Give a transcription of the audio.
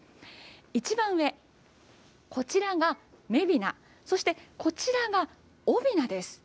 一番上、こちらがめびな、そして、こちらがおびなです。